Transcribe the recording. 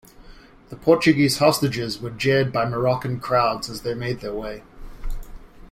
The Portuguese hostages were jeered by Moroccan crowds as they made their way.